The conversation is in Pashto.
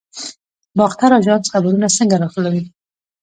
باختر اژانس خبرونه څنګه راټولوي؟